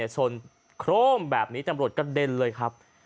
ชนโครมแบบนี้ตำรวจกระเด็นเลยครับ